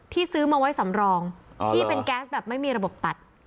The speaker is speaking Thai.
ซื้อมาไว้สำรองที่เป็นแก๊สแบบไม่มีระบบตัด